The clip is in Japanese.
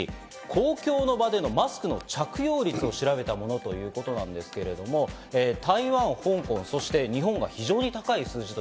公共の場でのマスクの着用率を調べたものということなんですけれども、台湾、香港、そして日本が非常に高い数字。